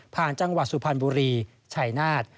ผ่านจังหวัดสุพรรณบุรีไฉนาธ